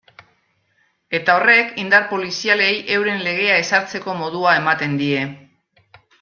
Eta horrek indar polizialei euren legea ezartzeko modua ematen die.